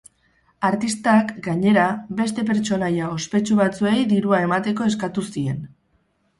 Artistak, gainera, beste pertsonaia ospetsu batzuei dirua emateko eskatu zien.